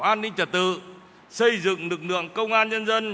an ninh trật tự xây dựng lực lượng công an nhân dân